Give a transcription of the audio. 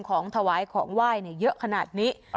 ของถวายของว่ายเนี่ยเยอะขนาดนี้